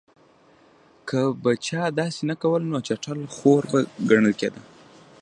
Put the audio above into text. که به چا داسې نه کول نو چټل خور به ګڼل کېده.